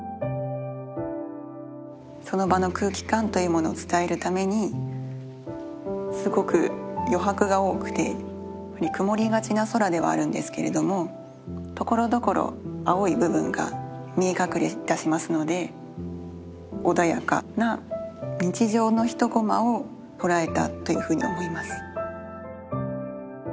その場の空気感というものを伝えるためにすごく余白が多くて曇りがちな空ではあるんですけれどもところどころ青い部分が見え隠れいたしますので穏やかな日常の一コマを捉えたというふうに思います。